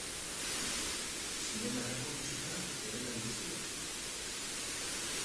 Zinemarako musika ere landu zuen.